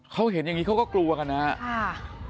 เขาเห็นอย่างนี้เขาก็กลัวกันนะครับ